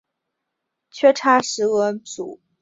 缺叉石蛾属为毛翅目指石蛾科底下的一个属。